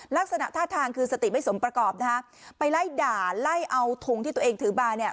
ลักษณะท่าทางคือสติไม่สมประกอบนะฮะไปไล่ด่าไล่เอาทงที่ตัวเองถือมาเนี่ย